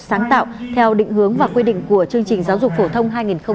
sáng tạo theo định hướng và quy định của chương trình giáo dục phổ thông hai nghìn một mươi tám